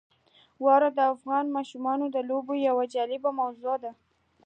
واوره د افغان ماشومانو د لوبو یوه جالبه موضوع ده.